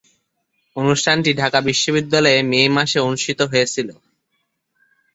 অনুষ্ঠানটি ঢাকা বিশ্ববিদ্যালয়ে মে মাসে অনুষ্ঠিত হয়েছিলো।